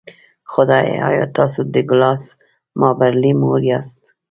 خدایه ایا تاسو د ډګلاس مابرلي مور یاست